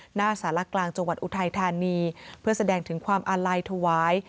หน้าสารกลางจังหวัดอุทัยธานีเพื่อแสดงถึงความอาลัยถวาย